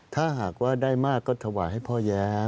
ถ้าหากว่าได้มากก็ถวายให้พ่อแย้